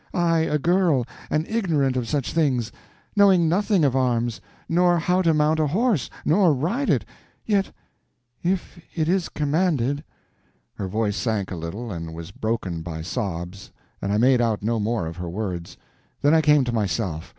—I a girl, and ignorant of such things, knowing nothing of arms, nor how to mount a horse, nor ride it.... Yet—if it is commanded—" Her voice sank a little, and was broken by sobs, and I made out no more of her words. Then I came to myself.